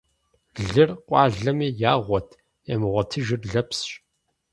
Лыр къуалэми ягъуэт, ямыгъуэтыжыр лэпсщ.